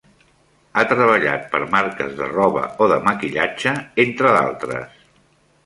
Ha treballat per marques de roba o de maquillatge, entre d'altres.